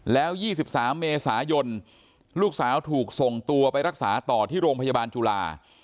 แล้ว๒๓เมษายนลูกสาวถูกส่งตัวไปรักษาต่อที่โรงพยาบาลจุฬา